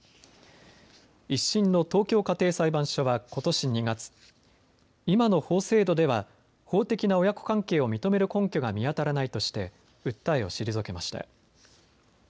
１審の東京家庭裁判所はことし２月、今の法制度では法的な親子関係を認める根拠が見当たらないとして訴えを退けました。